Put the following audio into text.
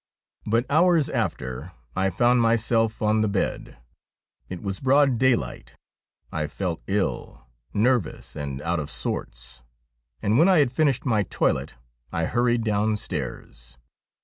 But hours after I found myself on the bed. It was broad daylight. I felt ill, nervous, and out of sorts, and when I had finished my toilet I hurried downstairs.